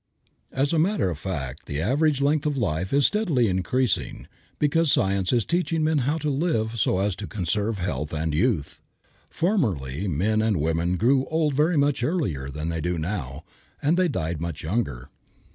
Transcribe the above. As a matter of fact the average length of life is steadily increasing, because science is teaching men how to live so as to conserve health and youth. Formerly men and women grew old very much earlier than they do now, and they died much younger.